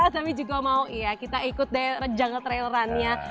tapi juga mau kita ikut jungle trail run nya